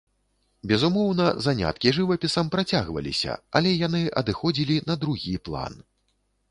Безумоўна, заняткі жывапісам працягваліся, але яны адыходзілі на другі план.